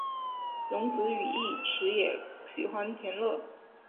荣子与义持也喜欢田乐。